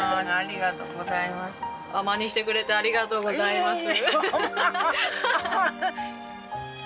ありがとうございます。